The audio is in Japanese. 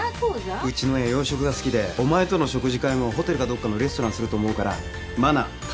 うちの親洋食が好きでお前との食事会もホテルかどっかのレストランにすると思うからマナーたたき込んどいて。